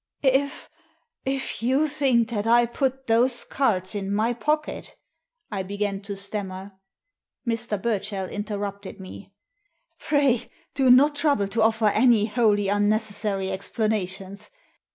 "If— if you think that I put those cards in my pocket," I began to stammer. Mr. Burchell inter rupted me — "Pray do not trouble to offer any wholly un necessary explanations.